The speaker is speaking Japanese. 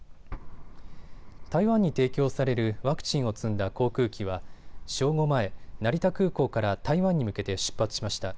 台湾に提供されるワクチンを積んだ航空機は正午前、成田空港から台湾に向けて出発しました。